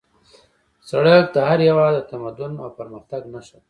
سړک د هر هېواد د تمدن او پرمختګ نښه ده